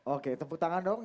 oke tepuk tangan dong